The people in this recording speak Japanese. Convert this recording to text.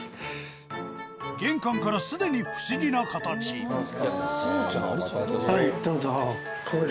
玄関からすでに不思議な形はいどうぞ。